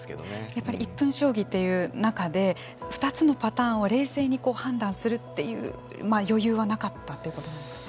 やっぱり１分将棋という中で、２つのパターンを冷静に判断するという余裕はなかったということなんですか。